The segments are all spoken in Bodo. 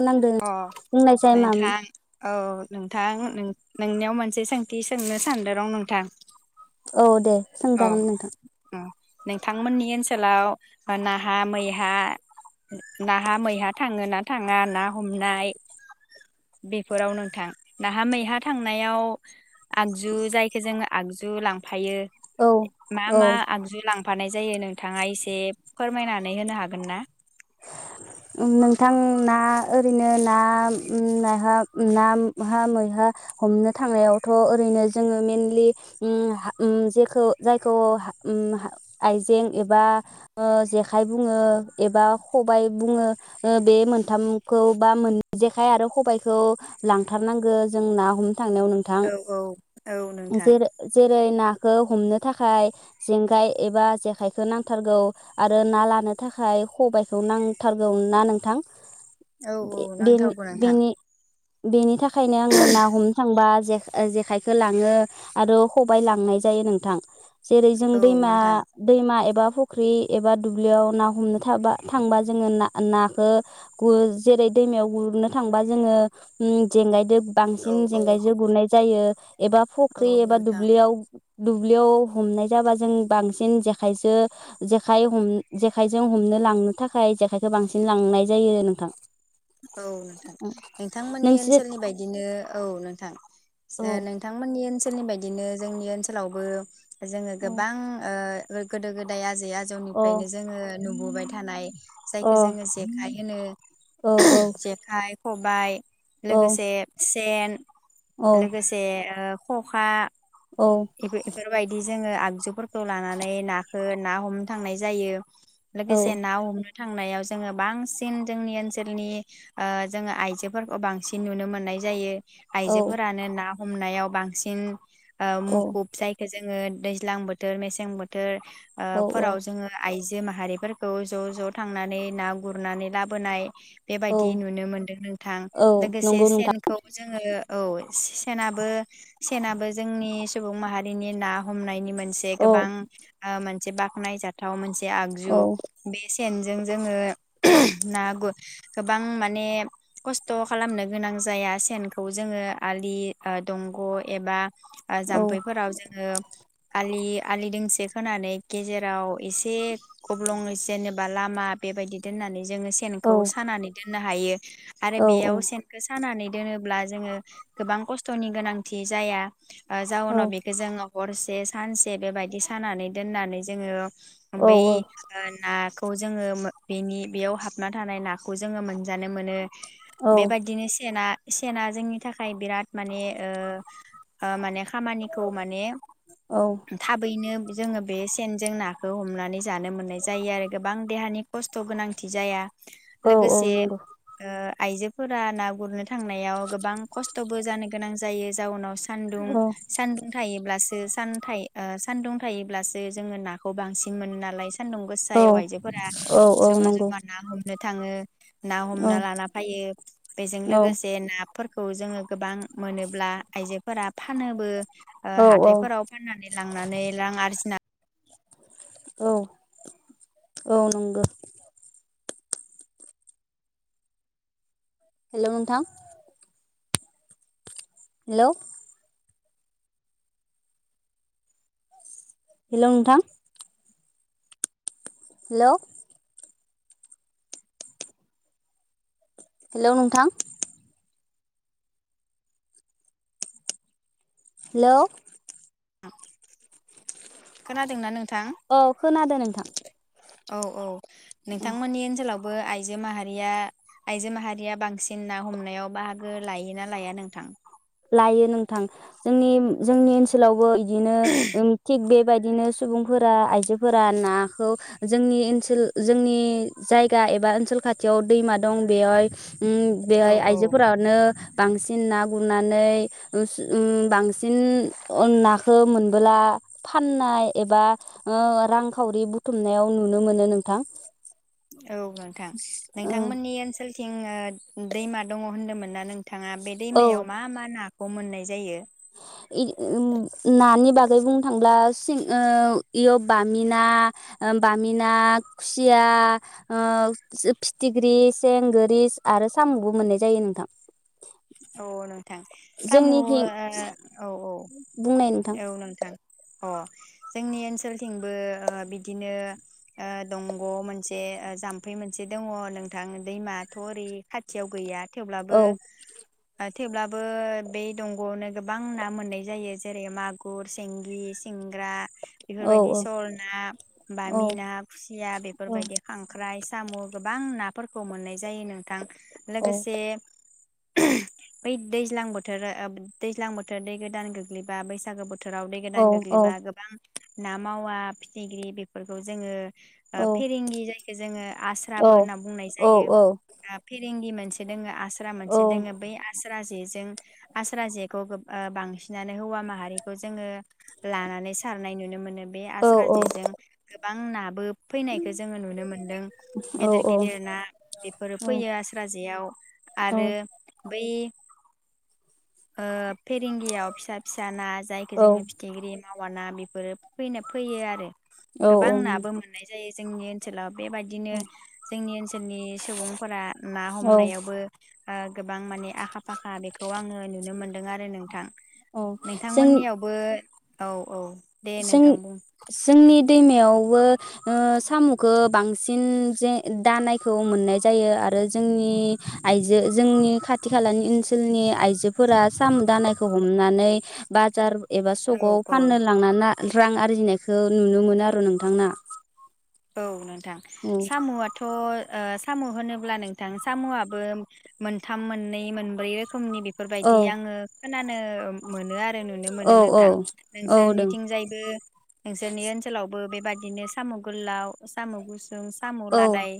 नांदों अ बुंनाय जाय मामोन नोंथां औ नोंथां नोंनियाव मोन- से सोंथि सोंनो सानदों रं नोंथां औ दे औ सोंजागोन नोंथां सोलाव नाहा मैहा नाहा मैहा थाङो ना थाङा ना हमनाय बेफोराव नोंथां नाहा मैहा थांनायाव आगजु जायखौ जोङो आगजु लांफायो औ मा औव मा आगजु लांफानाय जायो नोंथाङा एसे फोरमायनानै होनो हागोन ना नोंथां ना ओरैनो ना ना हा ना हा मैहा हमनो थांनायावथ ओरैनो जोङो मेनलि उम उम जेखौ जायखौ उम आइजें एबा ओ जेखाइ बुङो एबा खबाइ बुङो बे मोनथामखौ बा मोन जेखाय आरो खबाइखौ लांथारनांगो जों ना हम थांनायाव नोंथां औ औ औ नोंथां जेरो जेरै ना हमनो थाखाय जेंगाय एबा जेखाइखौ नांथारगौ आरो ना लानो थाखाय खबाय खौ नांथारगौ ना नोंथां औ औ बे बेनि नांथारगौ नोंथां बेनि बेनि था- खायनो आङो ना हमनो थांबा जे- जेखाइखो लाङो आरो खबाय लांनाय जायो नोंथां जेरै जों औ दैमा नोंथां दैमा एबा फुख्रि एबा दुब्लियाव ना हमनो थाबा थांबा जोङो ना नाखो गुर जेरै दैमायाव गुरनो थांबा जोङो उम जेंगायजों औ बांसिन औ जेंगायजो गुरनाय जायो एबा औ फख्रि एबा नोंथां दुब्लियाव दुब्लियाव हमनाय जाबा जों बांसिन जेखायजो जेखाय हम जेखाइजों हमनो लां थाखाय जेखाइखौ बांसिन लांनाय जायो नोंथां औ नोंथां नोंथांमोननि नोंसोर ओनसोलनि बायदिनो औ नोंथां औ नोंथांमोननि ओनसोल ओनसोलनि बायदिनो जोंनि ओनसोलावबो जोङो औ गोबां गोदो गोदाय आ जैआ अ हिनजावनिफ्रायनो जोङो नुबोबाय थानाय अ औ जायखौ जोङो जेखाइ होनो जेखाइ खबाय लोगोसे [unintelligible] लोगोसे ओ खखा बेफोरबायदि जोङो आ सोफोरखौ लानानै नाखो ना हमनो थांनाय जायो लोगोसे ना हमनो थांनायाव जोङो बांसिन जोंनि ओनसोलाव ओनसोलनि जोङो आइजोफोरखौ बांसिन नुनो मोननाय जायो आयजोफोरानो ना हमनायाव बांसिन [unintelligible] औ जोङो दैज्लां बोथोर मेसें बोथोर ओ फोराव औ जोङो आइजो बि माहारिफोरखौ ज' ज' थांनानै ना गुरनानै लाबोनाय [inaudible] बेबायदि औ नुनो मोनदों नोंथां औ लोगोसे नंगौ नोंथां सेनखौ जोंङो औ सेनाबो सेनाबो जोंनि सुबुं माहारिनि ना हमनायनि मोन से औ गोबां बाखनाय जाथाव मोनसे औ आगजु बे सेनजों जोंङो ना गु गोबां माने खस्थ' खालामनो गोनां जाया सेनखौ जोङो आलि दंग' एबा आ औ जाम्फैफोराव जोंङो आलि आलि दोंसे खोनानै गेजेराव एसे गब्लं जेनेबा लामा बेबायदि दोननानै जोंङो औ खौ सानानै दोन नो हायो। औ आरो बेयाव सेनखौ सानानै दोनोब्ला जोङो गोबां खस्थ'नि गोनांथि जाया। औ जाउनाव बेखौ जों हर से सानसे बेबायदि सानानै दोननानै जोंङो। औ नंगौ बै नाखौ। खौ जोंङोन बेनिन बेयाव हाबनानै। थानाय नाखौ जों मोन जानो मोनो औ बेबायदिनो सेन सेना जोंनि थाखाय बिराद माने माने खामानिखौ माने औ औ थाबैनो। जोंङो बे सेनजों नाखौ हमनानै। जानो मोननाय जायो आरो गोबां देहानि खस्थ' गोनांथि जाया। औ लोगोसे नंगौ आयजोफोरा ना गुरनो थांनायाव गोबां खस्थ'बो जानो गोनां जायो जाउनाव सानदुं सानदुं थायोब्लासो सान सान्दुं थायोब्लासो जोंङो नाखौ बांसिन मोनो। नालाय सानदुं गोसायाव आइजोफोरा जमा जमा ना हम हमनो थाङो ना हमना औ लाना फैयो बेजों लोगोसे ना फोरखौ जोंङो गोबां मोनोब्ला आइजोफोरा फानोबो। औ औ हाथायफोराव फाननानै लांनानै रां आरजिनानै औ औ नंगौ। हेल' नोंथां हेल'। हेल' नोंथां। हेल'। हेल' नोंथां। हेल'। खोनादोंना नों। अ खोनादों नोंथां। औ औ। औ नोंथांमोननि ओनसोलाव इाहया आइजो माहारिया बांसिन ना हमनायाव बाहागो लाय ना लाया नोंथां लायो नोंथां जोंनि जोंनि ओनसोलावबो बिदिनो थिक बे बेबायदिनो सुबुंफोरा आइजोफोरा नाखौ जोंनि ओनसोल जोंनि जायगा एबा ओनसोल खाथियाव दैमा दं बेहाय उम औ बेहाय औ आइजोफोरानो बांसिन ना ग नानै उस उम बांसिन अ नाखो मोनबोला फाननाय एबाओ रांखावरि बुथुमनायाव नुनो मोनो नोंथां औ नोंथां ओ नोंथांमोननि ओनसोल थिं ओ दैमा दङ होन्दोंमोन ना नों बिथाङा बे दैमायाव मा मा ना खौ मोननाय जायो इ उम नानि बागै बुंनो थांब्ला सिं ओ इयाव बामिना बामिना खुसिया ओ फिथिख्रि सेंगोरि आरो साम'बो मोननाय जायो नोंथां आनो [unintelligible] नोंथां साम'ओ जोंनिथिं औ औ बुंनाय नोंथां औ नोंथां अ जोंनि ओनसोलथिंबो ओ बिदिनो ओ दंग'मोनसे ओ जाम्फै मोनसे दङ नोंथां दैमाथ' ओरै खाथियाव गैया थेवब्लाबो औ थेवब्लाबो बे दंग'आवनो गोबां ना मोननाय जायो जेरै मागुर सिंगि सिंग्रा औ बेफोरबायदि सल ना औ बामिना खुसिया बेफोरबायदि खांख्राय साम' गोबां नाफोरखौ मोननाय जायो नोंथां औ लोगोसे ओह बै दैज्लां बोथोर ओ दैज्लां बोथोर दै गोदान गोग्लैबा बैसागो बोथोर बोथोराव दैै औ गोदान औ गोग्लैबा गोबां ना मावा फिथिख्रि बेफोरखौ जोङो ओ औ फेरेंगि जायखौ जोङो आस्राबो होनना बुंनाय औ जायो आ फि रिंगि मोनसे दोङ [unintelligible] दस मोन [unintelligible] से दोङो बै आस्रा जे ज जों आस्रा जेखौ ओ बांसिनानो हौवा माहारिखौ जोङो लानानै सारनाय नुनो मोनो बे आस्रा जेजों गोबां नाबो फैनायखो जोङो नुनो मोन्दों औ गेदेर औ गेदेर ना बेफोरो फैयो आस्रा जेयाव औ आरो बै ओ फेरेंगियाव फिसा फिसा ना जायखो जोङो फिथिग्रि मावा ना बेफोरो फैनो फैयो आरो गोबां नाबो मोननाय जायो जोंनि ओनसोलाव बेबायदिनो जोंनि ओनसोलनि सुबुंफोरा ना औ हमनायावबो ओ गोबां माने आखाफ फाखा बेखौ आङो नुनो मोनदों आरो नोंथां औ जों नोंथांमोननियावबो‌। औ औ। दे जों नोंथां बुं जोंनिद दैमायावबो ओ सामुखो बांसिन जे दानायखौ मोननाय जायो आरो जोंनि आइजो जोंनि खाथि खालानि ओनसोलनि आइजोफोरा सामु दानायखो हमनानै बाजार। एबा औ सकाव औ फाननोन रा रां आरजिनायखौ नुनो मोनो आरो नोंथांना। औ नोंथ थां औ साम'आथ। ओ सामु' होनोब्ला नोंथां सामु आबो मोनथाम मोननै मोनब्रै रोख खोमनि औ बेफोरबायदि आङो। खोनानो मोनो आर ओ नुनो मोनो औ औ नोंथां औ दों नोंसोरनिथिंजायबो नोंसोरनि ओनसोलाब बो बेबादिनो सामुग गुरलाव सामु' गुसुं। साम' औ लादाय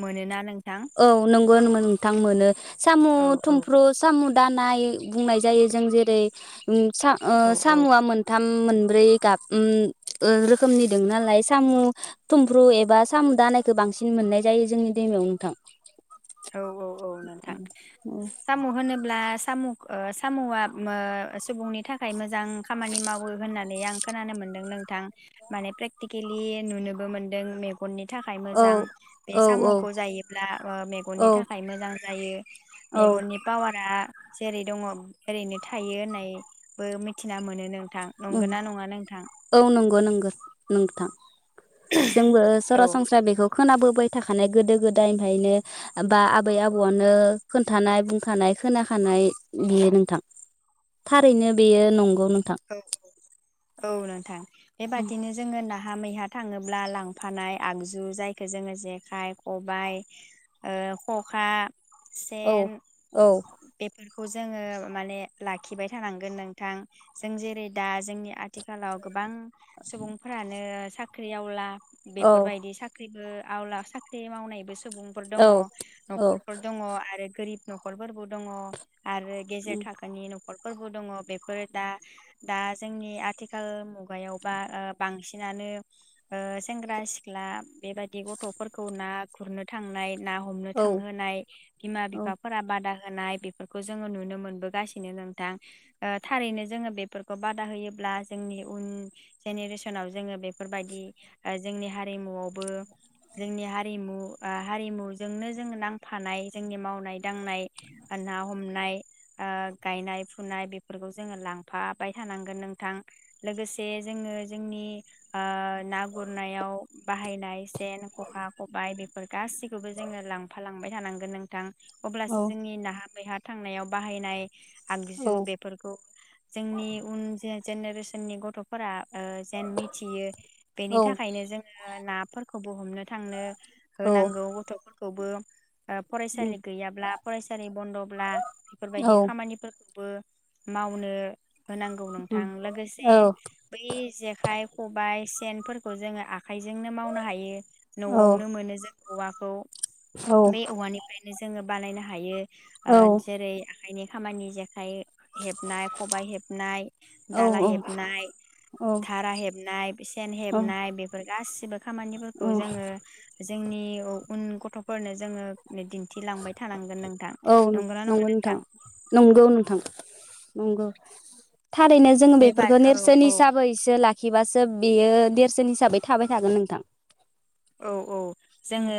मोनोना नों औ नोंगौन मोन थां मोनो। सामु औ औ थुमफ्रु सामु। दा नाय बुंनाय जायो जों जेरै। उम सा ओ औ औ सामुआ मोनथाम मोन ब्रै गाब उम ओ रोखोमनि दों नालाय सामु थुमफ्रु एबा सामु दानायखौ बांसिन मोननाय जायो जोंनि दैमायाव नोंथां। [inaudible] औ औ औ नोंथां साम' होनोब्ला। सामुख ओ सामुआ उम ओ सुबुंनि थाखाय मोजां खामानि मावो होननानै आं खोनानो मोन्दों नोंथां माने प्रेक्टिकेलि नुनोबो मोनदों मेग गननि थाखाय औ मोजां बे औ औ सामुख'खौ जायोब्ला ओ। गननि औ थाखाय मोजां जायो औ मेगननि पावारा दा जेरै दङब ओरैनो थायो होननायबो मिथिना मोनो नों उम औ नोंगौ नोंगो। नोंथां। जोंबो औ सरासनस्रा बेखौ खोनाबोबायथ थाखानाय गोदो गोदायनिफायनो बा आबै आबौआनो खोन्थानाय बुंखानाय खोनाखानाय बेयो नोंथां थारैनो बेयो नंग गौ नोंथां। औ नोंथां। बेबादिनो जोङो ना हा मैहा थाङोब्ला लांफानाय आगजु जायखौ जोङो जेखाइ खबाइ ओ खखा औ सेन औ बे बेखौ जोङो माने लाखिबाय थानांगोन नोंथां जों जेरै दा जोंनि आथिखालाव गोबां सुबुंफोरानो साख्रियाव ला। औ बेफोरबायदि साख आवला साख्रि मावनायबो सुबुंफोर दङ औ न'खरफोर दङ आरो गोरिब न'खरफोरबो दङ। आरो गेजेर थाखोनि न'ख न'खरफोरबो दङ बेफोर दा दा जोंनि आथिखाल मुगायावबा ओ बांसिनानो ओ सेंग्रा सिख्ला बेबायदि गथ'फोरखौ ना गुरनो थांनाय ना हमनो औ थांहोनाय बिमा औ बिफाफोरा बादा होनाय बेफोरखौ जों नुनो मोनबोगासिनो नोंथां ओ थारैनो जोङो बेफोरखौ बादा होयोब्ला जोंनि उन जेनेरेसनाव जोङो बे फोरबायदि ओ जोंनि हारिमुआवबो जोंनि हारिमु ओ हारिमुजोंनो जों नांफानाय जोंनि मावनाय दांनाय ना हम नाय ओ गानाय फुनाय बे फोरफोरखौ जोङो लांफाबाय थानांगोन नोंथां लोगोसे जोङो जोंनि ना गुरनायाव बाहायनाय सेन खखा खबाय बेफोर गासिखौबो जोङो लांफालांबाय जानांगोन नोंथां। औ अब्लासो जोंनि नाहा मैहा थांनायाव बाहायनाय औ आगजु बेब जु जोंनि उन जो जेनेरेसननि गथ'फोरा ओ जेन मिथियो औ बेनि थाखायनो जोंङो नाफोरखौबो हमनो थांनो होनांगौ गथ'फोर खौबो ओ फरायसालि गैयाब्ला फरायसालि बन्द'ब्ला बेफोरबायदि खामानिफोर बो मावनो होनांगौ नोंथां लोगोसे बै जेखाइ, खबाइ सेन फोरखौ जोंङो आखा खायजोंनो मावनो हायो न'आवनो मोनो जों औवाखौ बे औवा निफ्रायनो जोंङो बानायनो हायो। ओ जेरै खाइनि खामानि जेखाय हेबनाय खबाय हेबनाय औ दाला हेबनाय धारा हेबनाय सेन हेबनाय बेफोर गासिब खामानिफोरखौ जोंङो जोंनि औ उन गथ'फोरनो जोंङो यिदिन दिन्थिलांबाय थानांगोन नोंथां औ नंगौना नंङा नोंथां? नंगौ नोंथां नंगौ। थारैनो जोंङो बे बा बेफोरखौ औ नेरसोन औ हिसाबैसो ला खिबासो बेयो देरसोन हिसाबै थाबाय थागोन नोंथां। औ औ जोंङो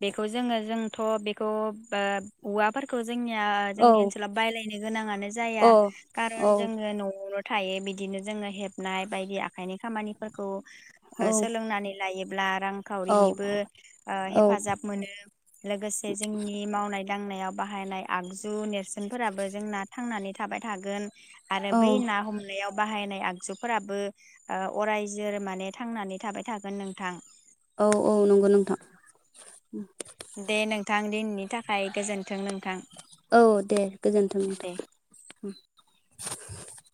बे खौ जोंङो जोंथ' बेखौ बाब औवाफोरखौ जोंनिया औ जोंनि ओनसलाव बायलायनो गोनांङानो जाया औ कारन औ जोंङो न'आव थायो बिदिनो जोंङो हेबनाय बायदि आखाइनि खामानिफोरखौ औ ओ सोलोंनानै लायो ब्ला रां खावरिनिबो ओ औ हेफाजाब मोनो लोगोसे जोंनि मावनाय दांनायाव बाहायनाय आगजु नेरसोन फोराबो जोंना थांनानै थाबाय थागोन। आरो औ बै ना हमनायाव बाहायनाय आगजुफोराबो ओ अरायजोर माने थांनानै थाबाय थागोन नोंथां। औ औ नंगौ नोंथां। दे नोंथां दिनैनि थाखाय गोजोन्थों। नोंथां औ दे गोजोन्थों नोंथां। दे। [inaudible]